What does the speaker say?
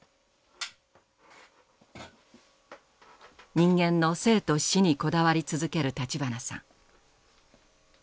人間の生と死にこだわり続ける立花さん。